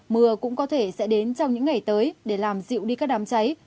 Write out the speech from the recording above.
mưa cũng có thể sẽ đến trong những ngày tới để làm dịu đi các đám cháy